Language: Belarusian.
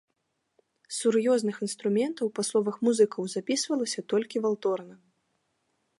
З сур'ёзных інструментаў, па словах музыкаў, запісвалася толькі валторна.